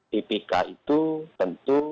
dpk itu tentu